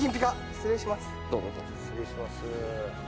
失礼します。